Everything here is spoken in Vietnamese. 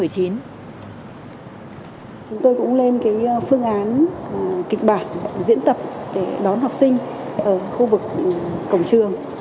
chúng tôi cũng lên phương án kịch bản diễn tập để đón học sinh ở khu vực cổng trường